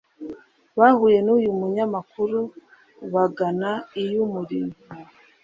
bahuye n’uyu munyamakuru bagana iy’umurimo